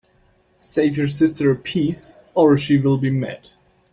Save you sister a piece, or she will be mad.